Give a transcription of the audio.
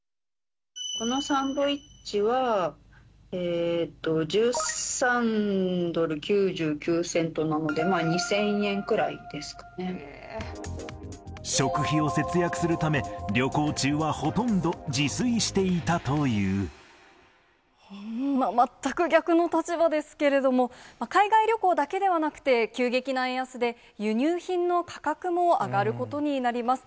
このサンドイッチは、１３ドル９９セントなので、食費を節約するため、旅行中全く逆の立場ですけれども、海外旅行だけではなくて、急激な円安で、輸入品の価格も上がることになります。